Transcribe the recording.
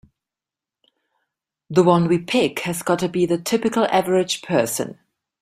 The one we pick has gotta be the typical average person.